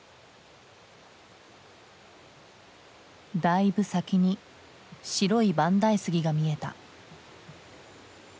だいぶ先に白い万代杉が見えた。